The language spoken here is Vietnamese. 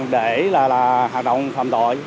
để hoạt động phạm tội